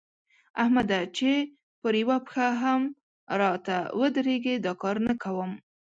احمده! چې پر يوه پښه هم راته ودرېږي؛ دا کار نه کوم.